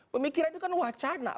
pemikiran itu kan wacana